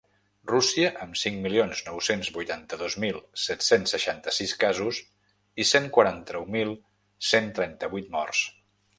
Rússia, amb cinc milions nou-cents vuitanta-dos mil set-cents seixanta-sis casos i cent quaranta-nou mil cent trenta-vuit morts.